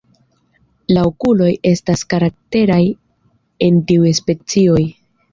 La okuloj estas karakteraj en tiuj specioj.